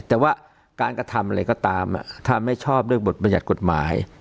แต่ว่าการกระทำอะไรก็ตามถ้าไม่ชอบด้วยบทบรรยัติกฎหมาย